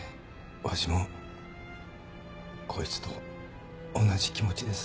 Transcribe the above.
わしもこいつと同じ気持ちです。